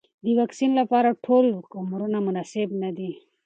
د واکسین لپاره ټول عمرونه مناسب نه دي.